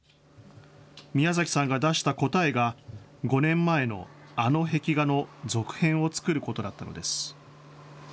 ミヤザキさんが出した答えが、５年前のあの壁画の続編を作ることだったのです。